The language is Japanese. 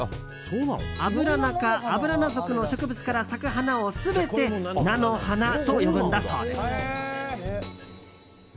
アブラナ科アブラナ属の植物から咲く花を全て、菜の花と呼ぶんだそうです。